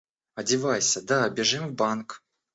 Одевайся, да бежим в банк.